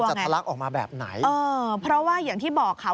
ทะลักออกมาแบบไหนเออเพราะว่าอย่างที่บอกค่ะ